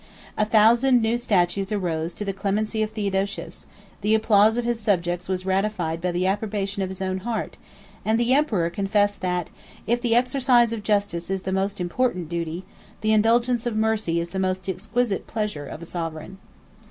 A thousand new statues arose to the clemency of Theodosius; the applause of his subjects was ratified by the approbation of his own heart; and the emperor confessed, that, if the exercise of justice is the most important duty, the indulgence of mercy is the most exquisite pleasure, of a sovereign.